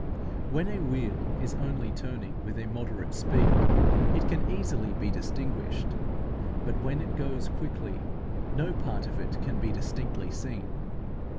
When a wheel is only turning with a moderate speed, it can easily be distinguished; but when it goes quickly, no part of it can be distinctly seen.